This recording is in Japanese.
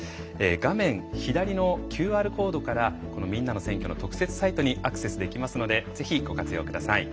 画面左のＱＲコードから「みんなの選挙」の特設サイトにアクセスできますのでぜひご活用ください。